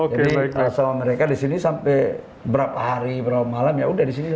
jadi sama mereka disini sampai berapa hari berapa malam ya udah disini